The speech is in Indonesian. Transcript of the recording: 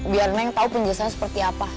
biar neng tahu penjelasannya seperti apa